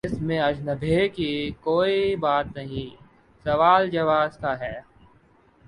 اس میں اچنبھے کی کوئی بات نہیں سوال جواز کا ہے۔